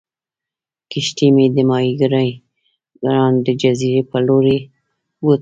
کښتۍ مې د ماهیګیرانو د جزیرې په لورې بوتله.